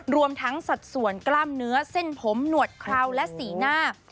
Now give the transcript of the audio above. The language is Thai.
รวมทั้งสัดส่วนกล้ามเนื้อเส้นผมหนวดเคราวและสีหน้า